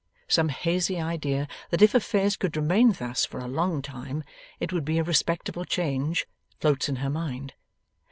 Some hazy idea that if affairs could remain thus for a long time it would be a respectable change, floats in her mind.